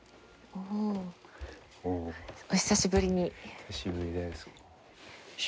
お久しぶりです。